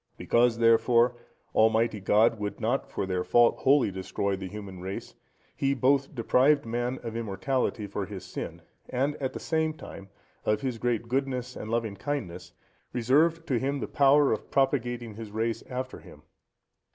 Because, therefore, Almighty God would not for their fault wholly destroy the human race, he both deprived man of immortality for his sin, and, at the same time, of his great goodness and loving kindness, reserved to him the power of propagating his race after him.